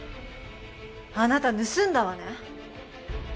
あなた盗んだわね？